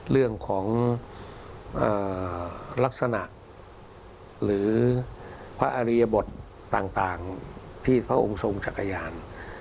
เรื่องของลักษณะหรือพระอริยบทต่างที่พระองค์ทรงจักรยาน